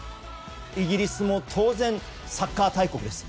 イギリスも当然サッカー大国です。